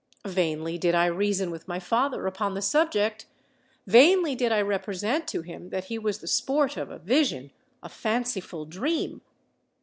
_'—Vainly did I reason with my father upon the subject: vainly did I represent to him that he was the sport of a vision—a fanciful dream.